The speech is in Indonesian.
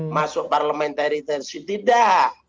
masuk parlementari tidak